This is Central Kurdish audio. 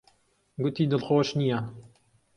گوتی دڵخۆش نییە.